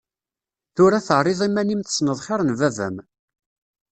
Tura terriḍ iman-im tessneḍ xir n baba-m.